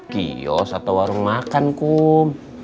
kios atau warung makan kum